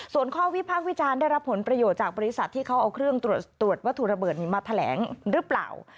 ส่วนข้อวิพากษ์วิจารณ์ได้รับผลประโยชน์จากบริษัทที่เขาเอาเครื่องตรวจวัตถุระเบิดนี้มาแถลงหรือเปล่า